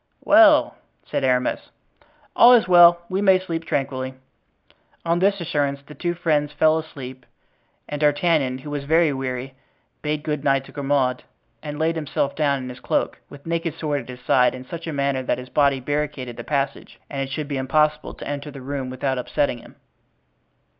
"Well!" said Aramis. "All is well; we may sleep tranquilly." On this assurance the two friends fell asleep; and D'Artagnan, who was very weary, bade good night to Grimaud and laid himself down in his cloak, with naked sword at his side, in such a manner that his body barricaded the passage, and it should be impossible to enter the room without upsetting him.